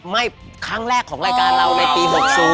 ครั้งแรกของรายการเราในปี๖๐